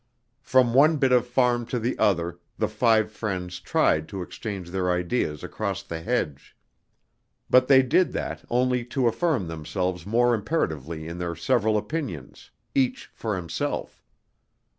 From one bit of farm to the other the five friends tried to exchange their ideas across the hedge. But they did that only to affirm themselves more imperatively in their several opinions, each for himself.